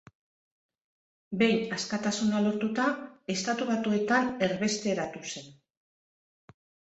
Behin askatasuna lortuta, Estatu Batuetan erbesteratu zen.